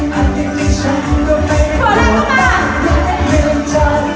ไม่ดีกว่าเกรงใจไม่ไม่เอาและเกรงใจ